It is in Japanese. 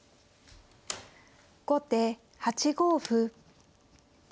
後手８五歩。